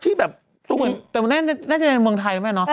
ที่แบบสูงแต่มันน่าจะเป็นเมืองไทยหรือไม่เนอะ